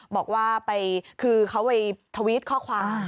บอกว่าคือเขาไปทวิตข้อความ